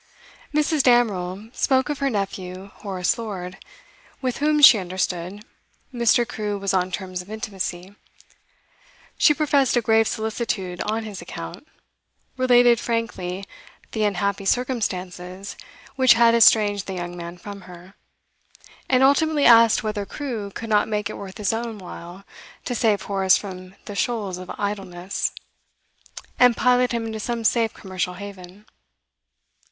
Mrs. Damerel spoke of her nephew Horace Lord, with whom, she understood, Mr. Crewe was on terms of intimacy; she professed a grave solicitude on his account, related frankly the unhappy circumstances which had estranged the young man from her, and ultimately asked whether Crewe could not make it worth his own while to save Horace from the shoals of idleness, and pilot him into some safe commercial haven.